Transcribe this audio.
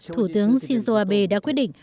thủ tướng shinzo abe đã quyết định